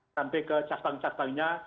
sampai ke castang castangnya